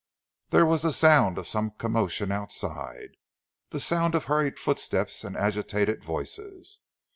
There was the sound of some commotion outside, the sound of hurried footsteps and agitated voices.